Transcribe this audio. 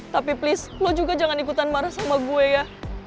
tapi please lu juga jangan ikutan marah sama gue ya